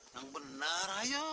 yang benar ayo